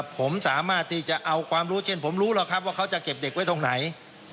ผมสามารถที่จะเอาความรู้เช่นผมรู้หรอกครับว่าเขาจะเก็บเด็กไว้ตรงไหน